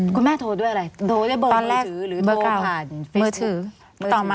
คุณแม่โทรด้วยอะไรโทรได้บนมือถือหรือโทรผ่านเฟซบุ๊ก